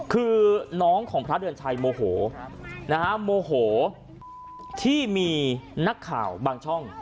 คือน้องของพระเดือนชัยโมโหนะฮะโมโหที่มีนักข่าวบางช่อง